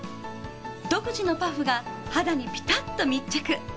独自のパフが肌にピタッと密着。